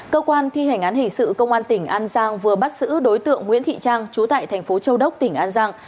cơ quan thi hành án hình sự công an tỉnh an giang vừa bắt xử đối tượng nguyễn thị trang chú tại tp châu đốc tỉnh an giang